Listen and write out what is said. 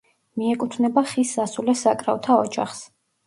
მიეკუთვნება ხის სასულე საკრავთა ოჯახს.